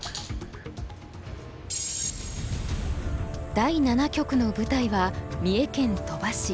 第七局の舞台は三重県鳥羽市。